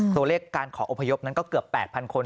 ตัวเลขการขออพยพนั้นก็เกือบ๘๐๐คน